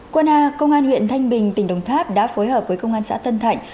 qua a công an huyện thanh bình tỉnh đồng tháp đã phối hợp với công an xã tân thạnh